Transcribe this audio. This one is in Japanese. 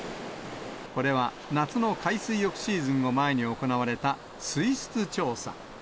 これは、夏の海水浴シーズンを前に行われた水質調査。